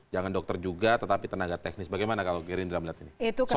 jangan dokter juga tetapi tenaga teknis bagaimana kalau gerindra melihat ini